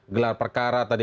gelar perkara tadi